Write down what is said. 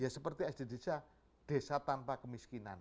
seperti sd desa desa tanpa kemiskinan